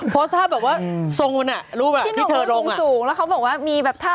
พี่หักมาพี่หักมา